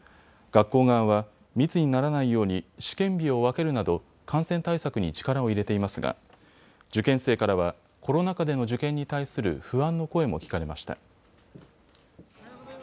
学校側は密にならないように試験日を分けるなど感染対策に力を入れていますが受験生からはコロナ禍での受験に対する不安の声も聞かれました。